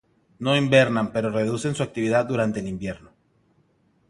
No hibernan, pero reducen su actividad durante el invierno.